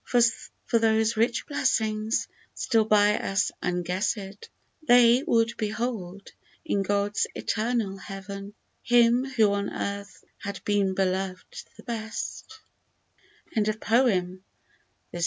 For those rich blessings, still by us unguess'd, They would behold, in God's eternal Heaven, Him who on earth had been beloved the best 30 "DO NOT FORGET ME!"